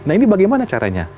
nah ini bagaimana caranya